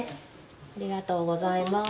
ありがとうございます。